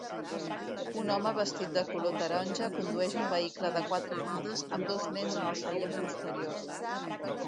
Un home vestit de color taronja condueix un vehicle de quatre rodes amb dos nens en el seient posterior